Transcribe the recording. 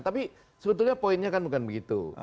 tapi sebetulnya poinnya kan bukan begitu